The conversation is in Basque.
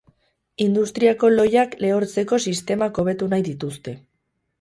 Industriako lohiak lehortzeko sistemak hobetu nahi dituzte.